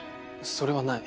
それはない。